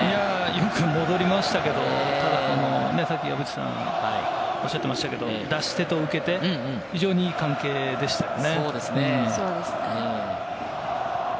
よく戻りましたけれども、さっき岩渕さんも言っていましたけれども、出し手と受け手、非常にいい関係でしたそうですね。